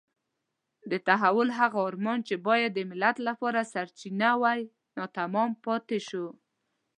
د تحول هغه ارمان چې باید د ملت لپاره سرچینه وای ناتمام پاتې شو.